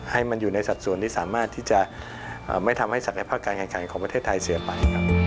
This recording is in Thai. ให้ในสัดส่วนที่สามารถที่จะไม่ทำแสดงทางความสักละกลางใกล้ขังของประเทศไทยเสียไป